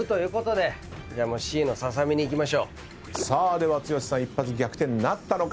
では剛さん一発逆転なったのか。